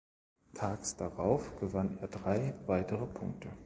Tags darauf gewann er weitere drei Punkte.